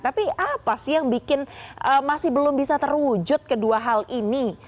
tapi apa sih yang bikin masih belum bisa terwujud kedua hal ini